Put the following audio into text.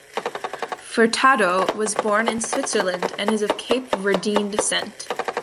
Furtado was born in Switzerland and is of Cape Verdean descent.